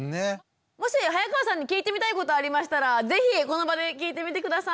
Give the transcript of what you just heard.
もし早川さんに聞いてみたいことありましたら是非この場で聞いてみて下さい。